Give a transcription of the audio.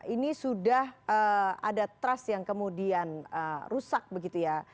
ini sudah ada trust yang kemudian rusak begitu ya